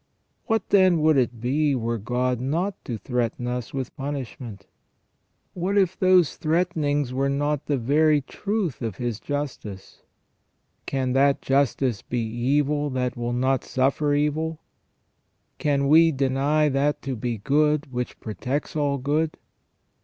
What, then, would it be were God not to threaten us with punish ment ? What if those threatenings were not the very truth of His justice ? Can that justice be evil that will not suffer evil ? Can we deny that to be good which protects all good